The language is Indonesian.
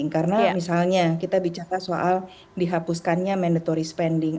karena misalnya kita bicara soal dihapuskannya mandatory spending